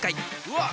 うわ！